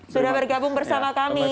sudah bergabung bersama kami